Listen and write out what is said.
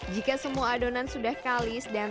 jika semua adonan sudah kalis dan